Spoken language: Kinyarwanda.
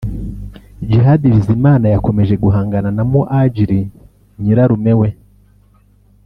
Djihad Bizimana yakomeje guhangana na Muadjili ( Nyirarume we)